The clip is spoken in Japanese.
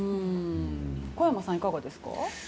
小山さんはいかがですか？